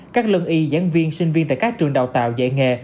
các lân y giảng viên sinh viên tại các trường đào tạo dạy nghề